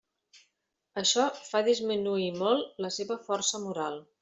Això fa disminuir molt la seva força moral.